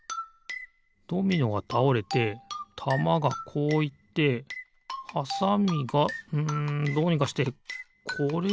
ドミノがたおれてたまがこういってはさみがうんどうにかしてこれをおすのかな？